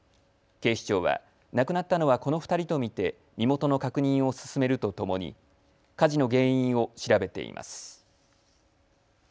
警視庁は亡くなったのはこの２人と見て身元の確認を進めるとともに火事の原因を調べています。